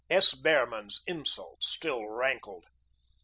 S. Behrman's insults still rankled.